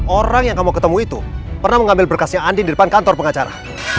orang yang kamu ketemu itu pernah mengambil berkasnya andi di depan kantor pengacara